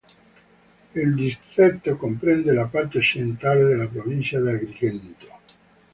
Il distretto comprende la parte occidentale della provincia di Agrigento.